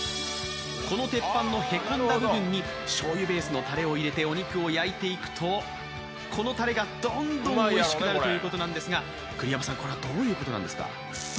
この鉄板のへこんだ部分にしょうゆベースのたれを入れてお肉を焼いていくとこのたれがどんどんおいしくなるということなんですが、栗山さん、これはどういうことなんですか？